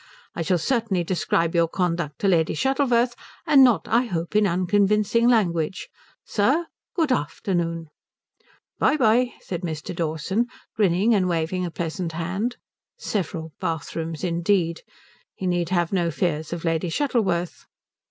I shall certainly describe your conduct to Lady Shuttleworth, and not, I hope, in unconvincing language. Sir, good afternoon." "By bye," said Mr. Dawson, grinning and waving a pleasant hand. Several bathrooms indeed! He need have no fears of Lady Shuttleworth.